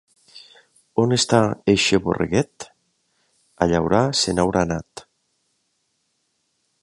On està eixe borreguet? A llaurar se n’haurà anat.